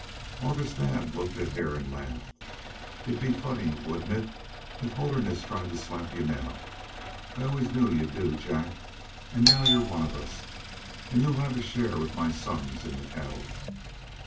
August Naab looked at Hare and laughed. "It'd be funny, wouldn't it, if Holderness tried to slap you now? I always knew you'd do, Jack, and now you're one of us, and you'll have a share with my sons in the cattle."